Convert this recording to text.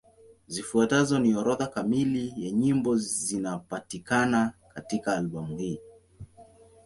Zifuatazo ni orodha kamili ya nyimbo zinapatikana katika albamu hii.